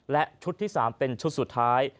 และชุดที่๓เป็นชุดสุดท้าย